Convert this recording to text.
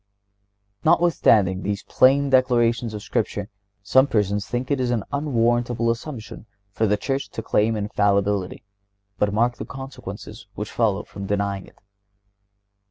(128) Notwithstanding these plain declarations of Scripture, some persons think it an unwarrantable assumption for the Church to claim infallibility. But mark the consequences that follow from denying it.